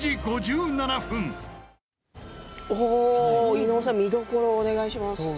伊野尾さん、見どころをお願いします。